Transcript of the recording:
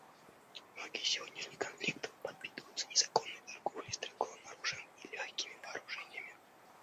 Многие из сегодняшних конфликтов подпитываются незаконной торговлей стрелковым оружием и легкими вооружениями.